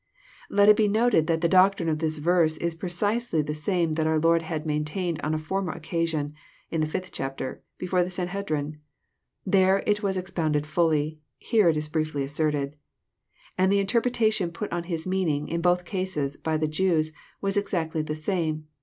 Let it be noted that the doctrine of this verse is precisely the same that our Lord had maintained on a former occasion (im the fifth chapter) before the Sanhedrim. There it was ex« pounded fully : here it is briefly asserted. And the interpreta tion put on His meaning, in both cases, by the Jews, was ex actly the same.